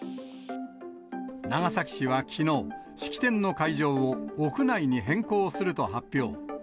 長崎市はきのう、式典の会場を屋内に変更すると発表。